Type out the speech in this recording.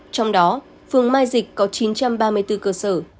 trong đó phường mai dịch có chín trăm ba mươi bốn cơ sở